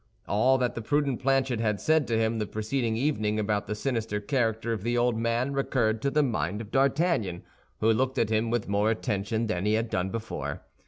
All that the prudent Planchet had said to him the preceding evening about the sinister character of the old man recurred to the mind of D'Artagnan, who looked at him with more attention than he had done before.